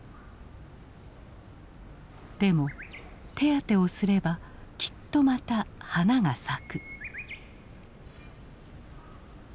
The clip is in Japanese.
でも手当てをすればきっとまた花が咲く。